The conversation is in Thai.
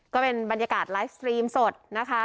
ก็เป็นบรรยากาศไลฟ์สตรีมสดนะคะ